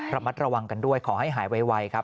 ระมัดระวังกันด้วยขอให้หายไวครับ